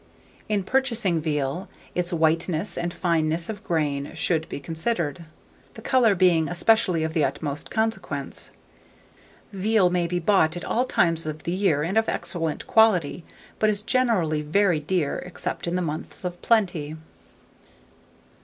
In purchasing veal, its whiteness and fineness of grain should be considered, the colour being especially of the utmost consequence. Veal may be bought at all times of the year and of excellent quality, but is generally very dear, except in the months of plenty.